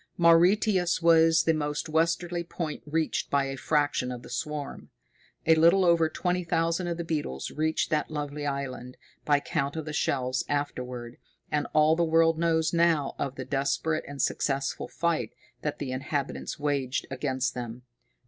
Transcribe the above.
Mauritius was the most westerly point reached by a fraction of the swarm. A little over twenty thousand of the beetles reached that lovely island, by count of the shells afterward, and all the world knows now of the desperate and successful fight that the inhabitants waged against them.